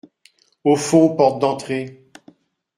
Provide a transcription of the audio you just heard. Au fond, porte d’entrée.